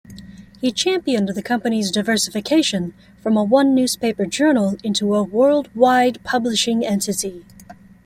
He championed the company's diversification from a one-newspaper journal into a worldwide publishing entity.